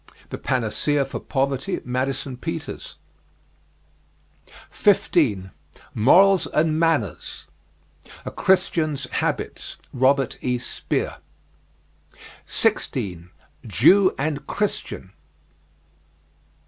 "The Panacea for Poverty," Madison Peters. 15. MORALS AND MANNERS. "A Christian's Habits," Robert E. Speer. 16. JEW AND CHRISTIAN.